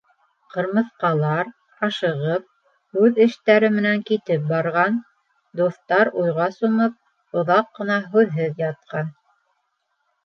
Ҡырмыҫҡалар, ашығып, үҙ эштәре менән китеп барған, дуҫтар уйға сумып, оҙаҡ ҡына һүҙһеҙ ятҡан.